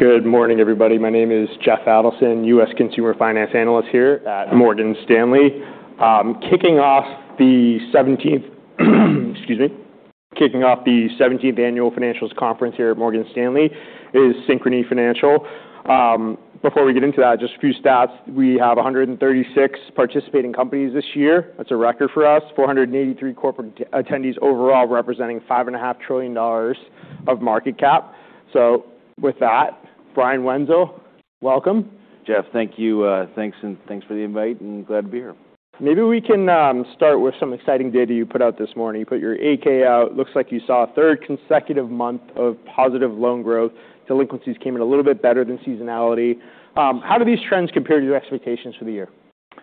Good morning, everybody. My name is Jeff Adelson, U.S. Consumer Finance Analyst here at Morgan Stanley. Kicking off the 17th Annual Financials Conference here at Morgan Stanley is Synchrony Financial. Before we get into that, just a few stats. We have 136 participating companies this year. That's a record for us. 483 corporate attendees overall representing $5.5 trillion of market cap. With that, Brian Wenzel, welcome. Jeff, thank you. Thanks for the invite, and glad to be here. Maybe we can start with some exciting data you put out this morning. You put your 8-K out. Looks like you saw a third consecutive month of positive loan growth. Delinquencies came in a little bit better than seasonality. How do these trends compare to your expectations for the year?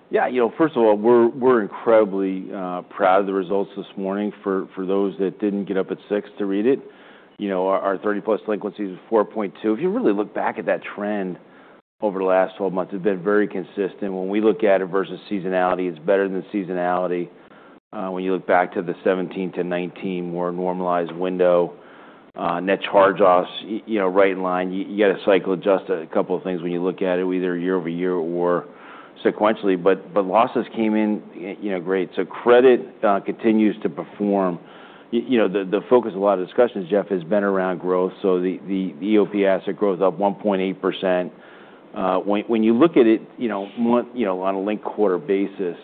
Yeah. First of all, we're incredibly proud of the results this morning. For those that didn't get up at 6:00 to read it, our 30-plus delinquencies was 4.2. If you really look back at that trend over the last 12 months, it's been very consistent. When we look at it versus seasonality, it's better than seasonality. When you look back to the 2017-2019, more normalized window, net charge-offs, right in line. You've got to cycle adjust a couple of things when you look at it, either year-over-year or sequentially. But, losses came in great. Credit continues to perform. The focus of a lot of discussions, Jeff, has been around growth. The EOP asset growth up 1.8%. When you look at it on a linked quarter basis,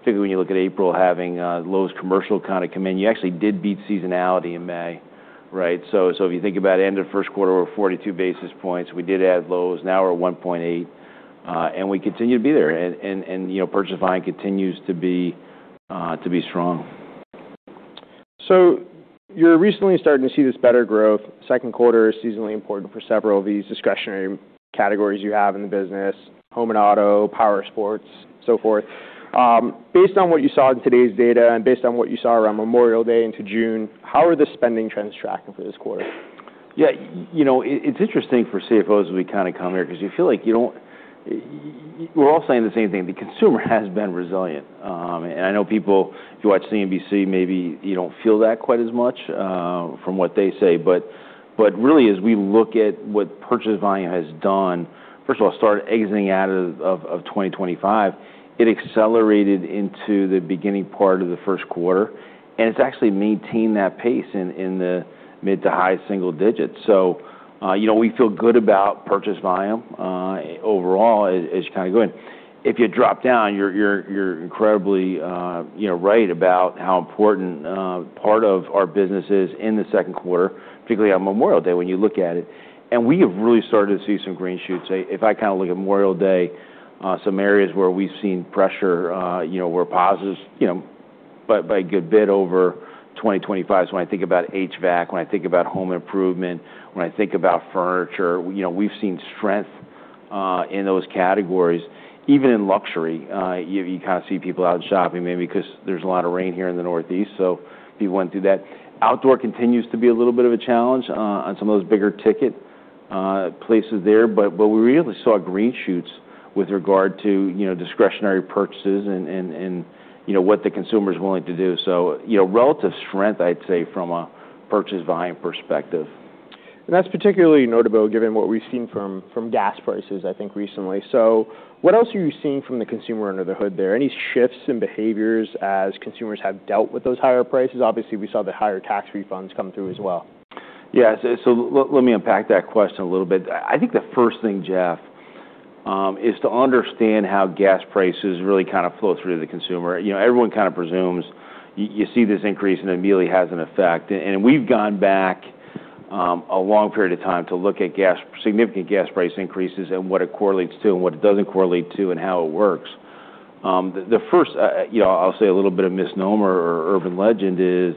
particularly when you look at April having Lowe's commercial kind of come in, you actually did beat seasonality in May. Right? If you think about end of first quarter, we're 42 basis points. We did add Lowe's, now we're 1.8, and we continue to be there. Purchase volume continues to be strong. You're recently starting to see this better growth. Second quarter is seasonally important for several of these discretionary categories you have in the business, home and auto, power sports, so forth. Based on what you saw in today's data and based on what you saw around Memorial Day into June, how are the spending trends tracking for this quarter? Yeah. It's interesting for CFOs as we kind of come here because you feel like you're all saying the same thing. The consumer has been resilient. I know people, if you watch CNBC, maybe you don't feel that quite as much from what they say. Really, as we look at what purchase volume has done, first of all, started exiting out of 2025, it accelerated into the beginning part of the first quarter, and it's actually maintained that pace in the mid to high single digits. We feel good about purchase volume overall as you kind of go in. If you drop down, you're incredibly right about how important part of our business is in the second quarter, particularly on Memorial Day, when you look at it. We have really started to see some green shoots. If I kind of look at Memorial Day, some areas where we've seen pressure were positives, by a good bit over 2025. When I think about HVAC, when I think about home improvement, when I think about furniture, we've seen strength in those categories. Even in luxury, you kind of see people out shopping, maybe because there's a lot of rain here in the Northeast. People went through that. Outdoor continues to be a little bit of a challenge on some of those bigger-ticket places there. We really saw green shoots with regard to discretionary purchases and what the consumer's willing to do. Relative strength, I'd say, from a purchase volume perspective. That's particularly notable given what we've seen from gas prices, I think, recently. What else are you seeing from the consumer under the hood there? Any shifts in behaviors as consumers have dealt with those higher prices? Obviously, we saw the higher tax refunds come through as well. Let me unpack that question a little bit. I think the first thing, Jeff, is to understand how gas prices really kind of flow through to the consumer. Everyone kind of presumes you see this increase and immediately has an effect. We've gone back a long period of time to look at significant gas price increases and what it correlates to and what it doesn't correlate to and how it works. The first, I'll say a little bit of misnomer or urban legend is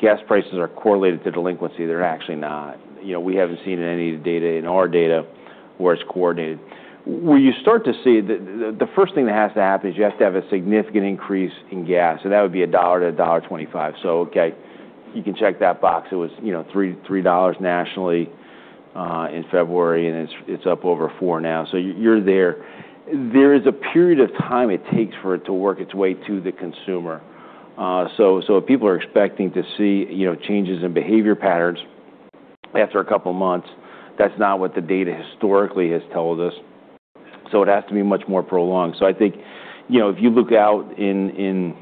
gas prices are correlated to delinquency. They're actually not. We haven't seen any of the data in our data where it's coordinated. Where you start to see the first thing that has to happen is you have to have a significant increase in gas. That would be $1 to $1.25. Okay, you can check that box. It was $3 nationally in February, and it's up over $4 now. You're there. There is a period of time it takes for it to work its way to the consumer. If people are expecting to see changes in behavior patterns after a couple of months, that's not what the data historically has told us. It has to be much more prolonged. I think if you look out in,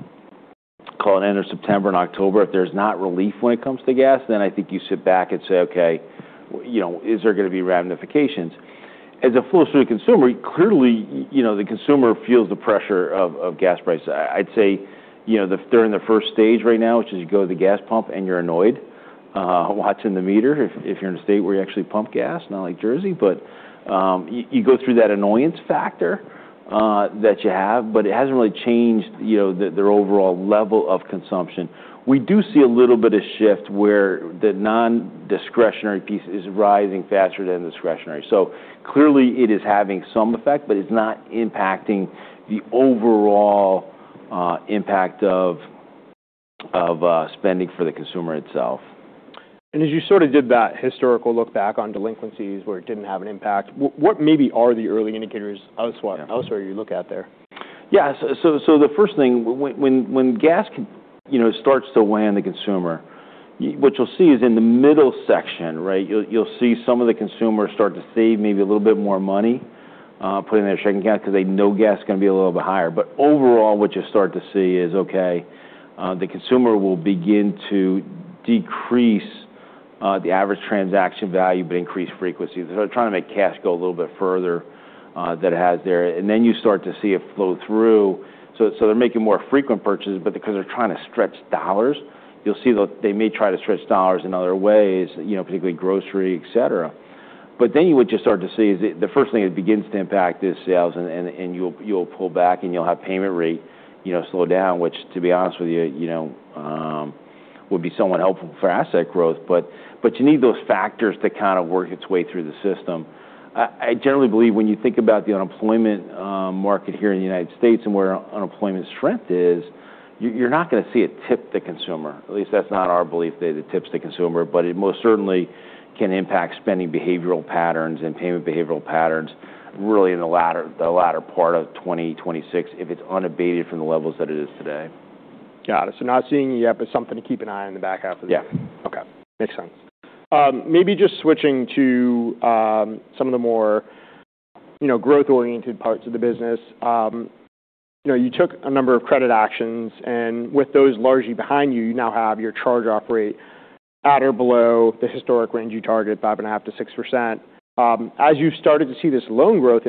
call it end of September and October, if there's not relief when it comes to gas, then I think you sit back and say, okay, is there going to be ramifications? As it flows through the consumer, clearly, the consumer feels the pressure of gas prices. I'd say they're in the stage 1 right now, which is you go to the gas pump and you're annoyed, watching the meter if you're in a state where you actually pump gas, not like Jersey. You go through that annoyance factor that you have, but it hasn't really changed their overall level of consumption. We do see a little bit of shift where the non-discretionary piece is rising faster than the discretionary. Clearly, it is having some effect, but it's not impacting the overall impact of spending for the consumer itself. As you sort of did that historical look back on delinquencies where it didn't have an impact, what maybe are the early indicators elsewhere you look at there? The first thing, when gas starts to land the consumer. What you'll see is in the middle section, right? You'll see some of the consumers start to save maybe a little bit more money, putting it in their checking account because they know gas is going to be a little bit higher. Overall, what you'll start to see is, okay, the consumer will begin to decrease the average transaction value, but increase frequency. They're trying to make cash go a little bit further than it has there. You start to see it flow through. They're making more frequent purchases, but because they're trying to stretch dollars, you'll see that they may try to stretch dollars in other ways, particularly grocery, et cetera. What you would just start to see is the first thing that begins to impact is sales, and you'll pull back and you'll have payment rate slow down, which to be honest with you would be somewhat helpful for asset growth. You need those factors to kind of work its way through the system. I generally believe when you think about the unemployment market here in the U.S. and where unemployment strength is, you're not going to see it tip the consumer. At least that's not our belief, that it tips the consumer, but it most certainly can impact spending behavioral patterns and payment behavioral patterns really in the latter part of 2026 if it's unabated from the levels that it is today. Got it, not seeing it yet, but something to keep an eye on in the back half of the year. Yeah. Okay. Makes sense. Maybe just switching to some of the more growth-oriented parts of the business. You took a number of credit actions, and with those largely behind you now have your charge operate at or below the historic range you target, 5.5%-6%. As you've started to see this loan growth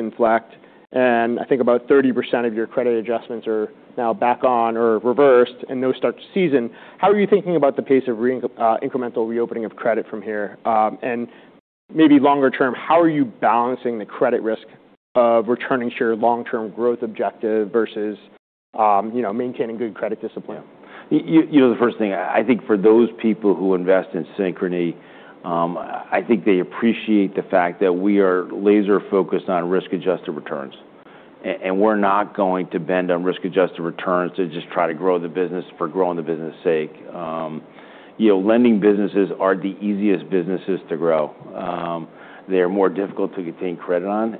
inflect, I think about 30% of your credit adjustments are now back on or reversed and those start to season, how are you thinking about the pace of incremental reopening of credit from here? Maybe longer term, how are you balancing the credit risk of returning to your long-term growth objective versus maintaining good credit discipline? The first thing, I think for those people who invest in Synchrony, I think they appreciate the fact that we are laser-focused on risk-adjusted returns. We're not going to bend on risk-adjusted returns to just try to grow the business for growing the business's sake. Lending businesses are the easiest businesses to grow. They're more difficult to obtain credit on.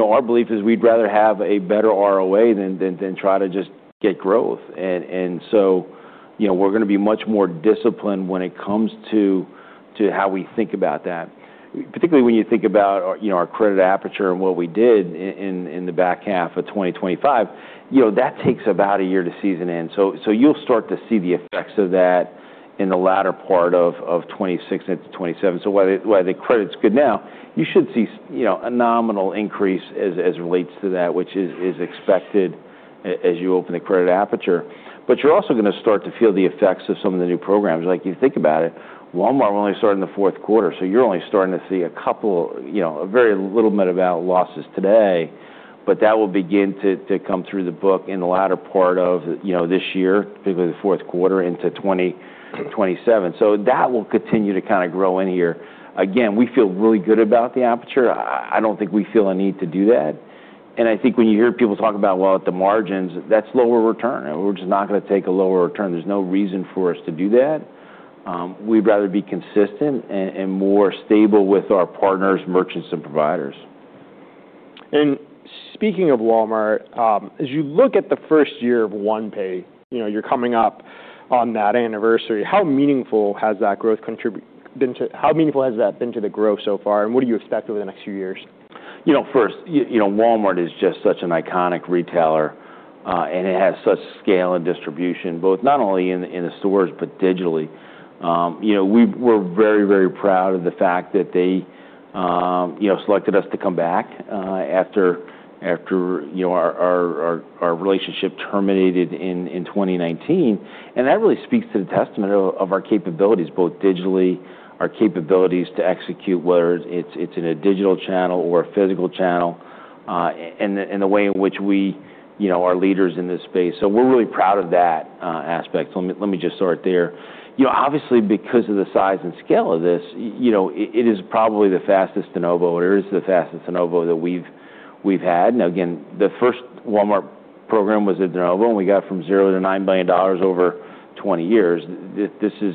Our belief is we'd rather have a better ROA than try to just get growth. We're going to be much more disciplined when it comes to how we think about that. Particularly when you think about our credit aperture and what we did in the back half of 2025, that takes about a year to season in. You'll start to see the effects of that in the latter part of 2026 into 2027. While the credit's good now, you should see a nominal increase as relates to that, which is expected as you open the credit aperture. You're also going to start to feel the effects of some of the new programs. If you think about it, Walmart only started in the fourth quarter, you're only starting to see a very little bit of out losses today, but that will begin to come through the book in the latter part of this year, particularly the fourth quarter into 2027. That will continue to kind of grow in here. Again, we feel really good about the aperture. I don't think we feel a need to do that. I think when you hear people talk about, well, at the margins, that's lower return, we're just not going to take a lower return. There's no reason for us to do that. We'd rather be consistent and more stable with our partners, merchants, and providers. Speaking of Walmart, as you look at the first year of OnePay, you're coming up on that anniversary. How meaningful has that been to the growth so far, and what do you expect over the next few years? First, Walmart is just such an iconic retailer, and it has such scale and distribution, both not only in the stores, but digitally. We're very proud of the fact that they selected us to come back after our relationship terminated in 2019. That really speaks to the testament of our capabilities, both digitally, our capabilities to execute, whether it's in a digital channel or a physical channel, and the way in which we are leaders in this space. We're really proud of that aspect. Let me just start there. Obviously, because of the size and scale of this, it is probably the fastest de novo, or is the fastest de novo that we've had. Now, again, the first Walmart program was a de novo, and we got from $0 to $9 billion over 20 years. This is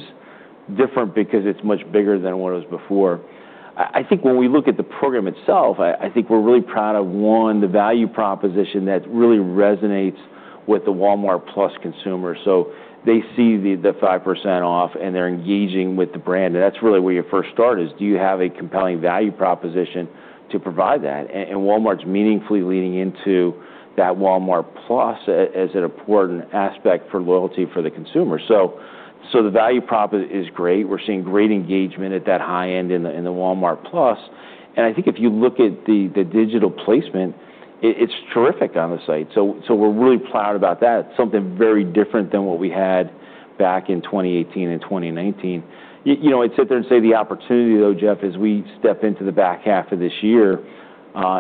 different because it's much bigger than what it was before. I think when we look at the program itself, I think we're really proud of, one, the value proposition that really resonates with the Walmart+ consumer. They see the 5% off and they're engaging with the brand. That's really where your first start is. Do you have a compelling value proposition to provide that? Walmart's meaningfully leaning into that Walmart+ as an important aspect for loyalty for the consumer. The value proposition is great. We're seeing great engagement at that high end in the Walmart+. I think if you look at the digital placement, it's terrific on the site. We're really proud about that. Something very different than what we had back in 2018 and 2019. I'd sit there and say the opportunity, though, Jeff, as we step into the back half of this year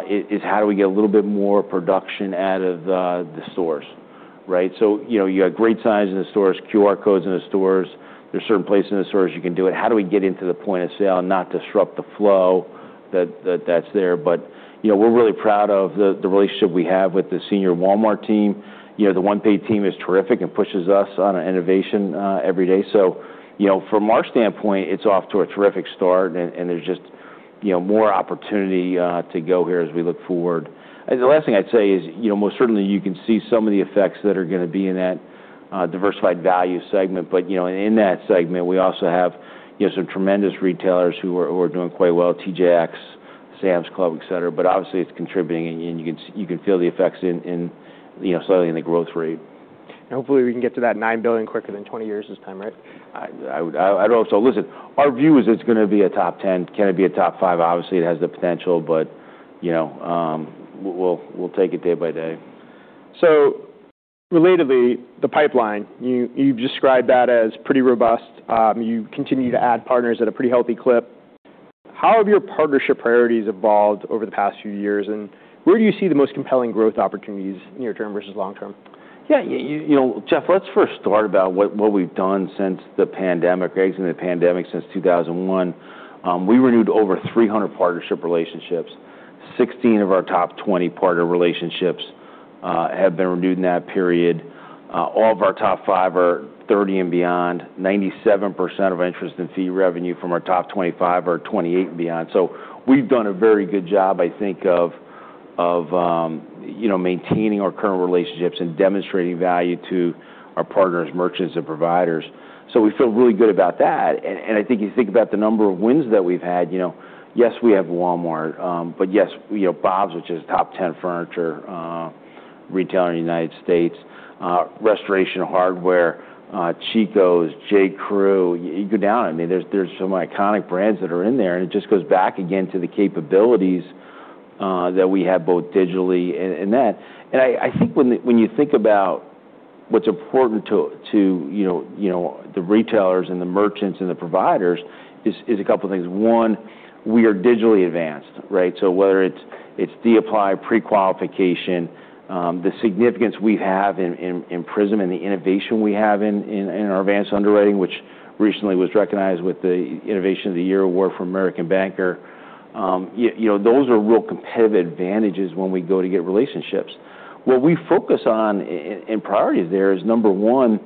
is how do we get a little bit more production out of the stores, right? You got great signs in the stores, QR codes in the stores. There's certain places in the stores you can do it. How do we get into the point of sale and not disrupt the flow that's there? We're really proud of the relationship we have with the senior Walmart team. The OnePay team is terrific. It pushes us on innovation every day. From our standpoint, it's off to a terrific start, and there's more opportunity to go here as we look forward. The last thing I'd say is most certainly you can see some of the effects that are going to be in that diversified value segment. In that segment, we also have some tremendous retailers who are doing quite well, TJX, Sam's Club, et cetera. Obviously, it's contributing, and you can feel the effects slightly in the growth rate. Hopefully we can get to that $9 billion quicker than 20 years this time, right? I don't know. Listen, our view is it's going to be a top 10. Can it be a top five? Obviously, it has the potential, we'll take it day by day. Relatedly, the pipeline, you've described that as pretty robust. You continue to add partners at a pretty healthy clip. How have your partnership priorities evolved over the past few years, and where do you see the most compelling growth opportunities near term versus long term? Yeah, Jeff, let's first start about what we've done since the pandemic, exiting the pandemic since 2021. We renewed over 300 partnership relationships. 16 of our top 20 partner relationships have been renewed in that period. All of our top five are 30 and beyond. 97% of interest and fee revenue from our top 25 are 28 and beyond. We've done a very good job, I think, of maintaining our current relationships and demonstrating value to our partners, merchants, and providers. We feel really good about that. I think you think about the number of wins that we've had, yes, we have Walmart. But yes, Bob's, which is a top 10 furniture retailer in the U.S., RH, Chico's, J.Crew, you go down. There's some iconic brands that are in there. It just goes back again to the capabilities that we have, both digitally and that. I think when you think about what's important to the retailers and the merchants and the providers is a couple things. One, we are digitally advanced, right? Whether it's the applied pre-qualification, the significance we have in Synchrony PRISM and the innovation we have in our advanced underwriting, which recently was recognized with the Innovation of the Year award from American Banker. Those are real competitive advantages when we go to get relationships. What we focus on in priority there is number one,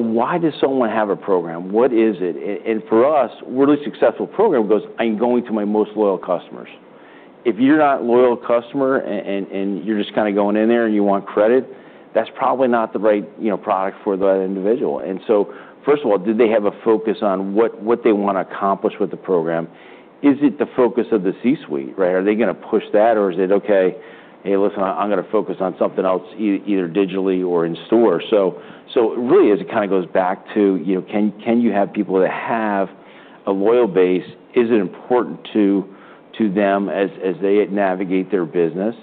why does someone have a program? What is it? For us, a really successful program goes, I'm going to my most loyal customers. If you're not a loyal customer, and you're just kind of going in there, and you want credit, that's probably not the right product for that individual. First of all, do they have a focus on what they want to accomplish with the program? Is it the focus of the C-suite, right? Are they going to push that, or is it okay, hey, listen, I'm going to focus on something else, either digitally or in store. Really, as it kind of goes back to can you have people that have a loyal base, is it important to them as they navigate their business?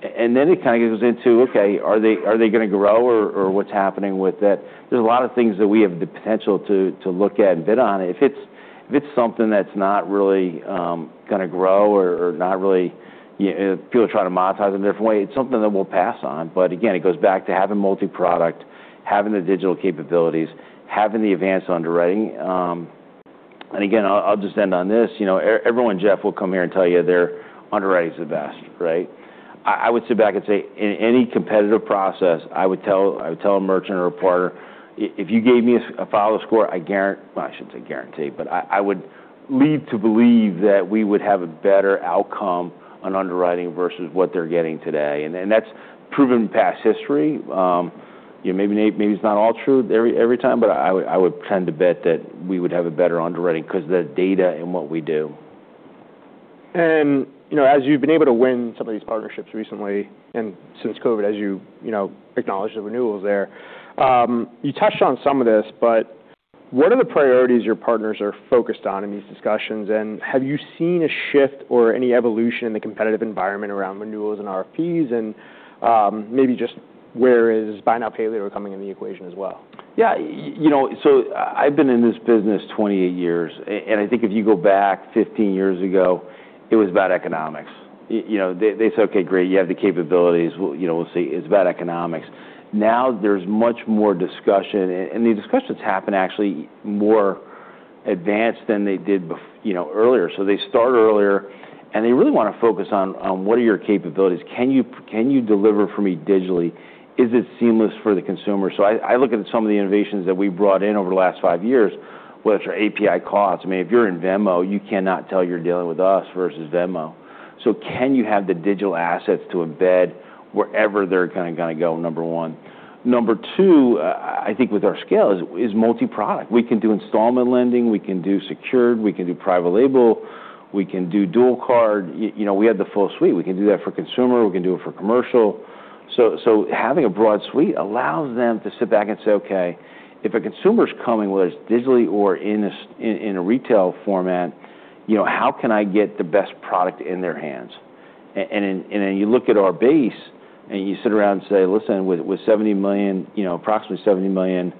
Then it kind of goes into, okay, are they going to grow, or what's happening with that? There's a lot of things that we have the potential to look at and bid on. If it's something that's not really going to grow or people are trying to monetize a different way, it's something that we'll pass on. Again, it goes back to having multi-product, having the digital capabilities, having the advanced underwriting. Again, I'll just end on this. Everyone, Jeff, will come here and tell you their underwriting's the best, right? I would sit back and say, in any competitive process, I would tell a merchant or a partner, if you gave me a FICO score, I guarantee, well, I shouldn't say guarantee, but I would lead to believe that we would have a better outcome on underwriting versus what they're getting today. That's proven past history. Maybe it's not all true every time, but I would tend to bet that we would have a better underwriting because the data in what we do. As you've been able to win some of these partnerships recently and since COVID, as you acknowledged the renewals there. You touched on some of this, what are the priorities your partners are focused on in these discussions, and have you seen a shift or any evolution in the competitive environment around renewals and RFPs and maybe just where is buy now, pay later coming in the equation as well? I've been in this business 28 years, I think if you go back 15 years ago, it was about economics. They said, okay, great, you have the capabilities. We'll see. It's about economics. Now there's much more discussion, the discussions happen actually more advanced than they did earlier. They start earlier, they really want to focus on what are your capabilities. Can you deliver for me digitally? Is it seamless for the consumer? I look at some of the innovations that we've brought in over the last five years, whether it's our API calls. If you're in Venmo, you cannot tell you're dealing with us versus Venmo. Can you have the digital assets to embed wherever they're kind of going to go, number one. Number two, I think with our scale is multi-product. We can do installment lending. We can do secured. We can do private label. We can do dual card. We have the full suite. We can do that for consumer. We can do it for commercial. Having a broad suite allows them to sit back and say, okay, if a consumer's coming with us digitally or in a retail format, how can I get the best product in their hands? You look at our base, and you sit around and say, listen, with approximately 70 million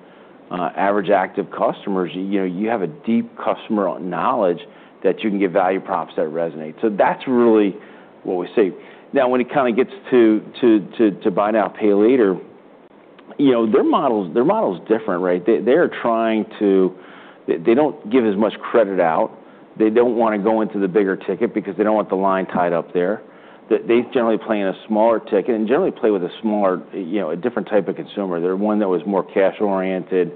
average active customers, you have a deep customer knowledge that you can get value props that resonate. That's really what we see. Now, when it kind of gets to buy now, pay later, their model's different, right? They don't give as much credit out. They don't want to go into the bigger ticket because they don't want the line tied up there. They generally play in a smaller ticket and generally play with a different type of consumer. They're one that was more cash-oriented.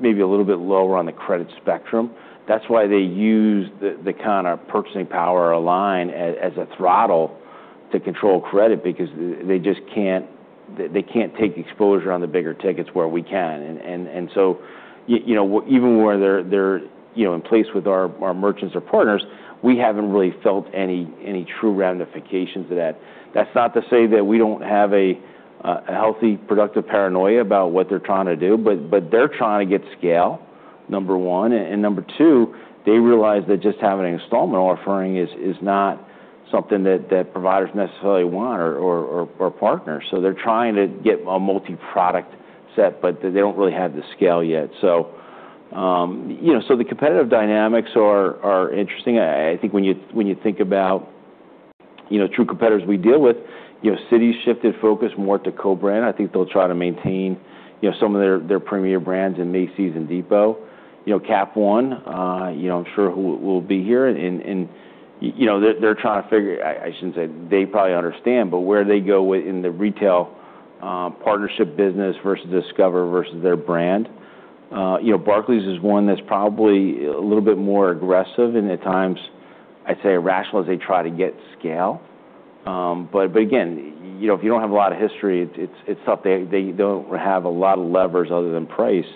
Maybe a little bit lower on the credit spectrum. That's why they use the kind of purchasing power or a line as a throttle to control credit because they can't take exposure on the bigger tickets where we can. So even where they're in place with our merchants or partners, we haven't really felt any true ramifications of that. That's not to say that we don't have a healthy, productive paranoia about what they're trying to do. They're trying to get scale, number one. Number two, they realize that just having an installment offering is not something that providers necessarily want or partners. They're trying to get a multi-product set, but they don't really have the scale yet. The competitive dynamics are interesting. I think when you think about true competitors we deal with, Citi shifted focus more to co-brand. I think they'll try to maintain some of their premier brands in Macy's and The Home Depot. Cap One, I'm sure who will be here, and they're trying to figure, I shouldn't say, they probably understand, but where they go in the retail partnership business versus Discover versus their brand. Barclays is one that's probably a little bit more aggressive and at times, I'd say irrational as they try to get scale. Again, if you don't have a lot of history, it's tough. They don't have a lot of levers other than price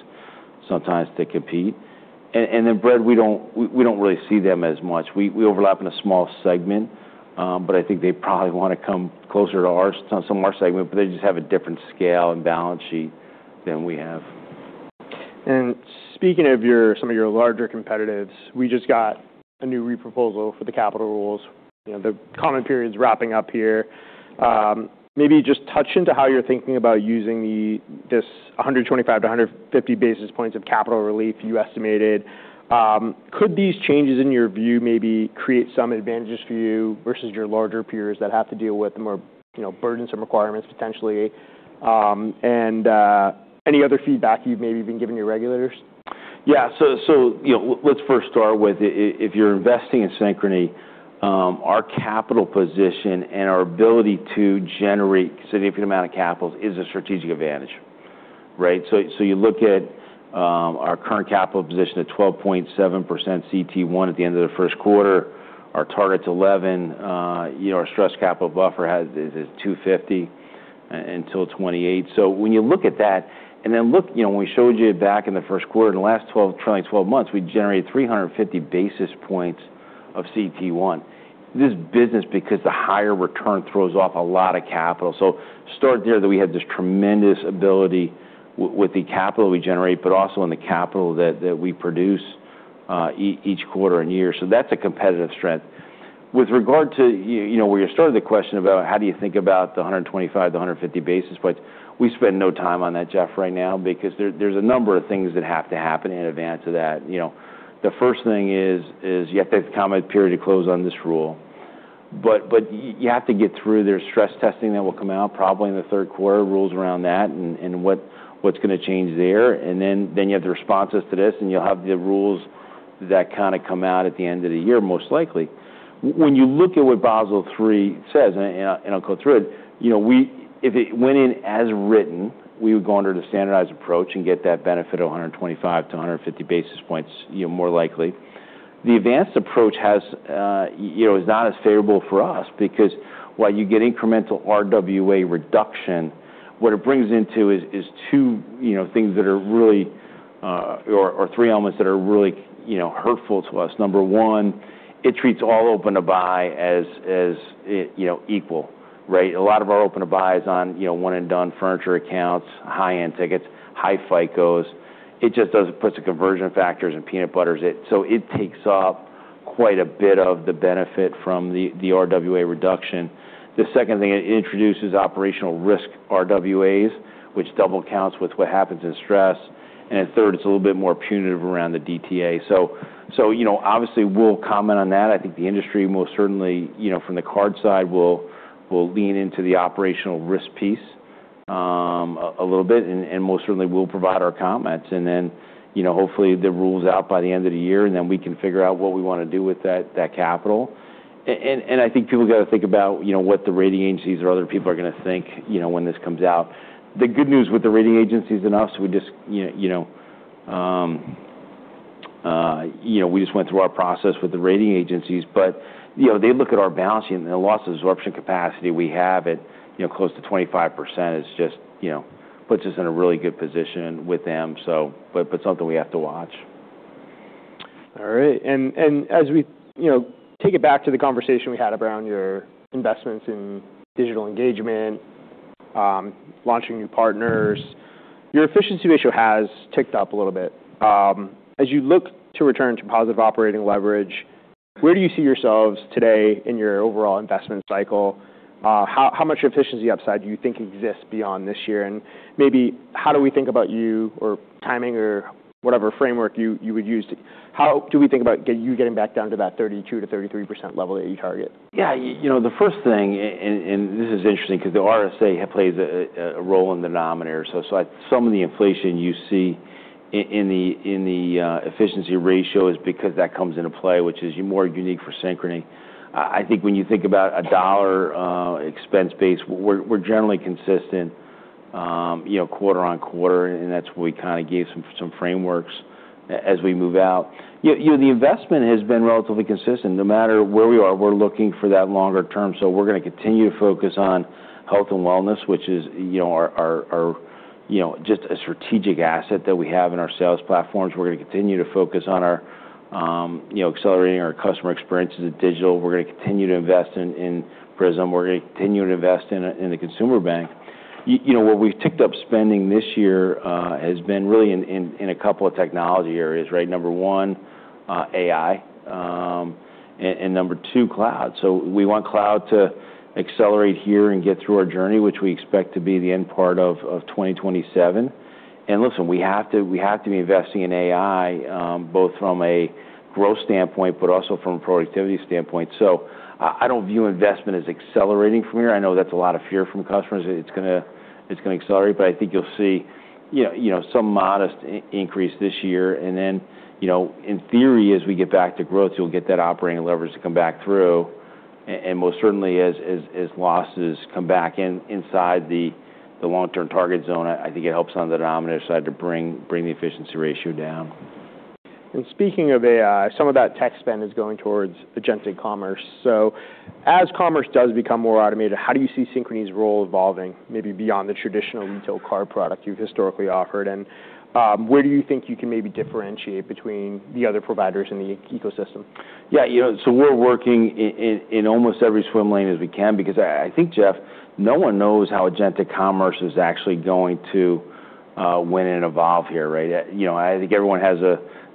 sometimes to compete. Then Bread, we don't really see them as much. We overlap in a small segment, but I think they probably want to come closer to some of our segment, but they just have a different scale and balance sheet than we have. Speaking of some of your larger competitors, we just got a new re-proposal for the capital rules. The comment period's wrapping up here. Maybe just touch into how you're thinking about using this 125-150 basis points of capital relief you estimated. Could these changes, in your view, maybe create some advantages for you versus your larger peers that have to deal with the more burdensome requirements potentially? Any other feedback you've maybe been giving your regulators? Let's first start with if you're investing in Synchrony, our capital position and our ability to generate significant amount of capital is a strategic advantage. You look at our current capital position at 12.7% CET1 at the end of the first quarter. Our target's 11. Our stress capital buffer is at 250 until 2028. When you look at that, and then look when we showed you back in the first quarter, in the last trailing 12 months, we generated 350 basis points of CET1. This is business because the higher return throws off a lot of capital. Start there, that we have this tremendous ability with the capital we generate, but also in the capital that we produce each quarter and year. That's a competitive strength. With regard to where you started the question about how do you think about the 125-150 basis points, we spend no time on that, Jeff, right now because there's a number of things that have to happen in advance of that. The first thing is you have to have the comment period to close on this rule. You have to get through their stress testing that will come out probably in the third quarter, rules around that and what's going to change there. You have the responses to this, and you'll have the rules that kind of come out at the end of the year, most likely. When you look at what Basel III says, and I'll go through it, if it went in as written, we would go under the standardized approach and get that benefit of 125-150 basis points, more likely. The advanced approach is not as favorable for us because while you get incremental RWA reduction, what it brings into is two things that are really, or three elements that are really hurtful to us. Number one, it treats all open to buy as equal. Right? A lot of our open to buy is on one and done furniture accounts, high-end tickets, high FICOs. It just does, it puts the conversion factors and peanut butters it. It takes off quite a bit of the benefit from the RWA reduction. The second thing, it introduces operational risk RWAs, which double counts with what happens in stress. Third, it's a little bit more punitive around the DTA. Obviously, we'll comment on that. I think the industry most certainly, from the card side, will lean into the operational risk piece a little bit, and most certainly we'll provide our comments. Hopefully, the rule's out by the end of the year, and then we can figure out what we want to do with that capital. I think people got to think about what the rating agencies or other people are going to think when this comes out. The good news with the rating agencies and us, we just went through our process with the rating agencies, but they look at our balance sheet and the loss absorption capacity we have at close to 25%, it just puts us in a really good position with them. Something we have to watch. All right. As we take it back to the conversation we had around your investments in digital engagement, launching new partners, your efficiency ratio has ticked up a little bit. As you look to return to positive operating leverage, where do you see yourselves today in your overall investment cycle? How much efficiency upside do you think exists beyond this year? How do we think about you getting back down to that 32%-33% level that you target? Yeah. The first thing, this is interesting because the RSA have played a role in the denominator. Some of the inflation you see in the efficiency ratio is because that comes into play, which is more unique for Synchrony. I think when you think about a dollar expense base, we're generally consistent quarter-on-quarter, and that's where we gave some frameworks as we move out. The investment has been relatively consistent. No matter where we are, we're looking for that longer term. We're going to continue to focus on health and wellness, which is our, just a strategic asset that we have in our sales platforms. We're going to continue to focus on accelerating our customer experiences with digital. We're going to continue to invest in Synchrony PRISM. We're going to continue to invest in the consumer bank. Where we've ticked up spending this year has been really in a couple of technology areas, right? Number one, AI, and number two, cloud. We want cloud to accelerate here and get through our journey, which we expect to be the end part of 2027. Listen, we have to be investing in AI, both from a growth standpoint, also from a productivity standpoint. I don't view investment as accelerating from here. I know that's a lot of fear from customers, that it's going to accelerate. I think you'll see some modest increase this year, then, in theory, as we get back to growth, you'll get that operating leverage to come back through. Most certainly as losses come back inside the long-term target zone, I think it helps on the denominator side to bring the efficiency ratio down. Speaking of AI, some of that tech spend is going towards agentic commerce. As commerce does become more automated, how do you see Synchrony's role evolving maybe beyond the traditional retail card product you've historically offered? Where do you think you can maybe differentiate between the other providers in the ecosystem? Yeah. We're working in almost every swim lane as we can because I think, Jeff, no one knows how agentic commerce is actually going to win and evolve here, right? I think everyone has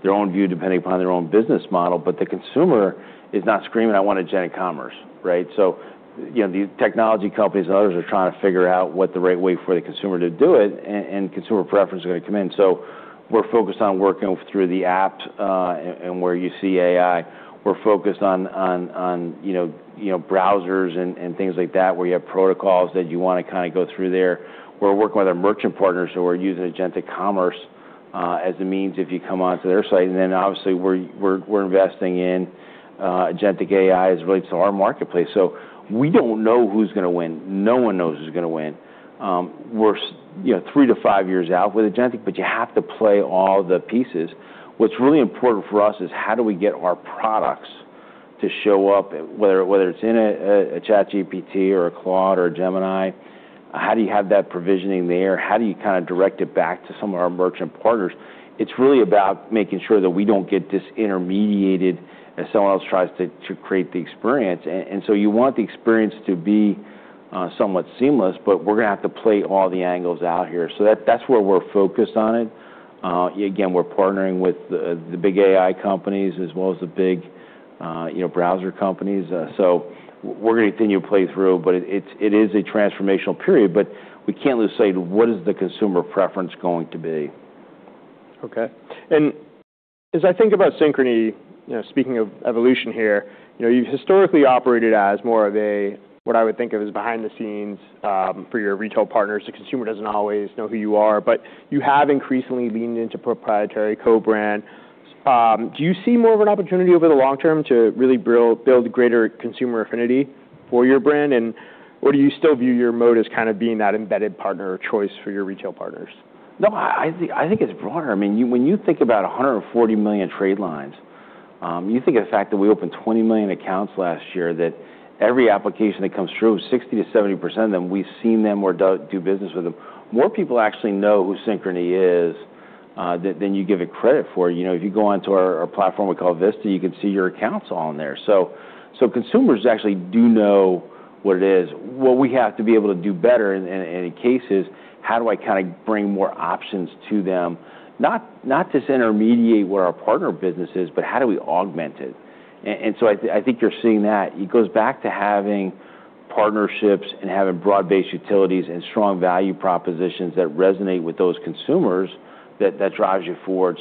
their own view depending upon their own business model, but the consumer is not screaming, I want agentic commerce. Right? So, these technology companies and others are trying to figure out what the right way for the consumer to do it, and consumer preference is going to come in. We're focused on working through the apps, and where you see AI. We're focused on browsers and things like that, where you have protocols that you want to go through there. We're working with our merchant partners who are using agentic commerce as a means if you come onto their site. Obviously we're investing in agentic AI as it relates to our marketplace. We don't know who's going to win. No one knows who's going to win. We're three to five years out with agentic, but you have to play all the pieces. What's really important for us is how do we get our products to show up, whether it's in a ChatGPT or a Claude or a Gemini. How do you have that provisioning there? How do you kind of direct it back to some of our merchant partners? It's really about making sure that we don't get disintermediated as someone else tries to create the experience. You want the experience to be somewhat seamless, but we're going to have to play all the angles out here. That's where we're focused on it. Again, we're partnering with the big AI companies as well as the big browser companies. We're going to continue to play through. It is a transformational period, we can't lose sight of what is the consumer preference going to be. Okay. As I think about Synchrony, speaking of evolution here, you've historically operated as more of a, what I would think of as behind the scenes for your retail partners. The consumer doesn't always know who you are. You have increasingly leaned into proprietary co-brand. Do you see more of an opportunity over the long term to really build greater consumer affinity for your brand? Or do you still view your mode as kind of being that embedded partner of choice for your retail partners? I think it's broader. When you think about $140 million trade lines, you think of the fact that we opened $20 million accounts last year, that every application that comes through, 60%-70% of them, we've seen them or do business with them. More people actually know who Synchrony is than you give it credit for. If you go onto our platform we call Vista, you can see your accounts all on there. Consumers actually do know what it is. What we have to be able to do better in any case is how do I kind of bring more options to them, not to intermediate where our partner business is, but how do we augment it? I think you're seeing that. It goes back to having partnerships and having broad-based utilities and strong value propositions that resonate with those consumers that drives you forward.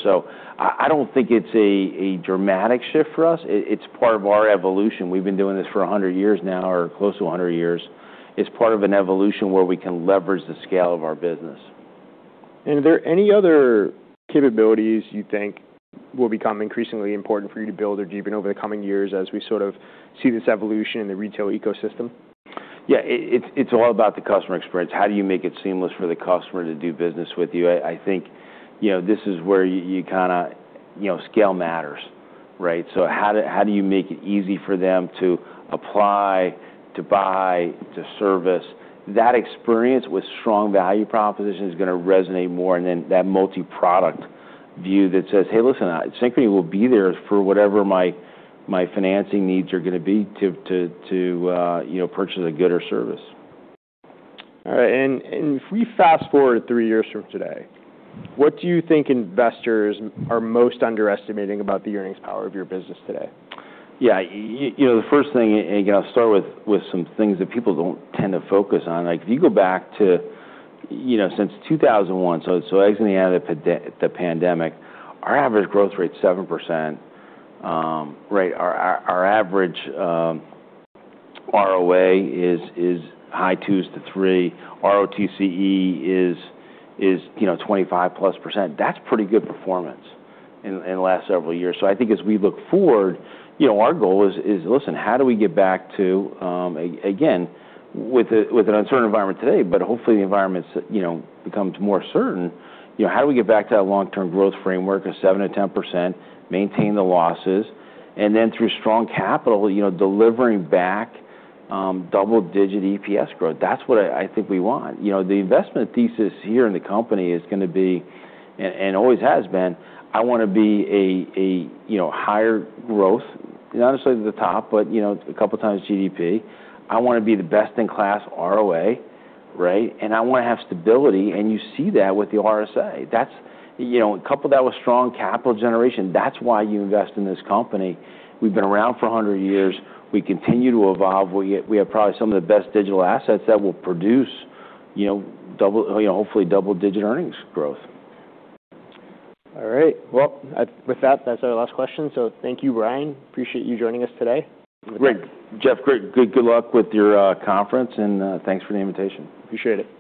I don't think it's a dramatic shift for us. It's part of our evolution. We've been doing this for 100 years now, or close to 100 years. It's part of an evolution where we can leverage the scale of our business. Are there any other capabilities you think will become increasingly important for you to build or deepen over the coming years as we sort of see this evolution in the retail ecosystem? Yeah. It's all about the customer experience. How do you make it seamless for the customer to do business with you? I think this is where scale matters, right? How do you make it easy for them to apply, to buy, to service? That experience with strong value proposition is going to resonate more. That multi-product view that says, hey, listen, Synchrony will be there for whatever my financing needs are going to be to purchase a good or service. All right. If we fast-forward three years from today, what do you think investors are most underestimating about the earnings power of your business today? Yeah. The first thing, again, I'll start with some things that people don't tend to focus on. If you go back to since 2021, so exiting out of the pandemic, our average growth rate's 7%. Our average ROA is high 2s to 3. ROTCE is 25%+. That's pretty good performance in the last several years. I think as we look forward, our goal is, listen, how do we get back to, again, with an uncertain environment today, but hopefully the environment becomes more certain. How do we get back to that long-term growth framework of 7%-10%, maintain the losses, and then through strong capital, delivering back double-digit EPS growth? That's what I think we want. The investment thesis here in the company is going to be, and always has been, I want to be a higher growth, not necessarily to the top, but a couple times GDP. I want to be the best-in-class ROA, right? I want to have stability. You see that with the RSA. Couple that with strong capital generation, that's why you invest in this company. We've been around for 100 years. We continue to evolve. We have probably some of the best digital assets that will produce hopefully double-digit earnings growth. All right. Well, with that's our last question. Thank you, Brian. Appreciate you joining us today. Great. Jeffrey, good luck with your conference, and thanks for the invitation. Appreciate it. Thank you.